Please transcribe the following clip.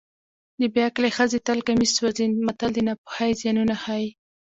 د بې عقلې ښځې تل کمیس سوځي متل د ناپوهۍ زیانونه ښيي